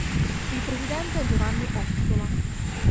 Il presidente è Giovanni Ossola.